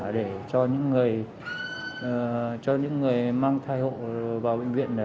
để cho những người mang thai hộ vào bệnh viện